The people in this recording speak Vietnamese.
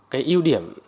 cái ưu điểm